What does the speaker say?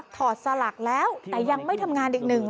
อดสลักแล้วแต่ยังไม่ทำงานอีกหนึ่ง